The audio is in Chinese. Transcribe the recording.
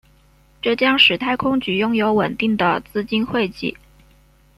这将使太空局拥有稳定的资金汇集。